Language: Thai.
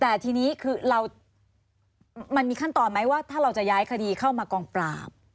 แต่ทีนี้คือเรามันมีขั้นตอนไหมว่าถ้าเราจะย้ายคดีเข้ามากองปราบ